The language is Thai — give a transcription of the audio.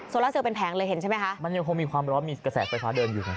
ลาเซลเป็นแผงเลยเห็นใช่ไหมคะมันยังคงมีความร้อนมีกระแสไฟฟ้าเดินอยู่ไง